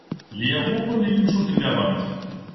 Leerrohre liegen schon in der Wand.